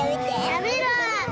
やめろ！